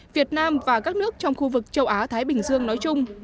việt nam và các nước trong khu vực châu á thái bình dương nói chung